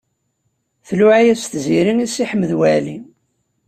Tluɛa-yas Tiziri i Si Ḥmed Waɛli.